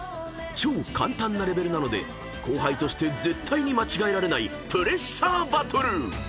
［超簡単なレベルなので後輩として絶対に間違えられないプレッシャーバトル！］